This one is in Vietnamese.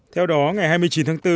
theo đó ngày hai mươi chín tháng bốn